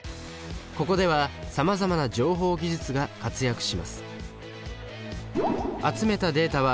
ここではさまざまな情報技術が活躍します。